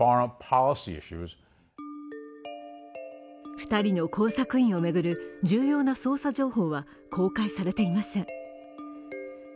２人の工作員を巡る重要な捜査情報は公開されていません。